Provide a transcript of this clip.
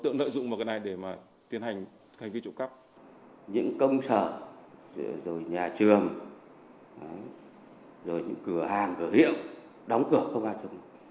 những công sở nhà trường cửa hàng cửa hiệu đóng cửa không ai trộm